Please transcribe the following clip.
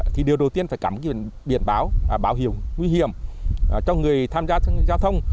thì điều đầu tiên phải cắm biển báo bảo hiểm nguy hiểm cho người tham gia giao thông